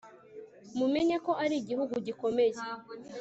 mumenye ko ari igihugu gikomeye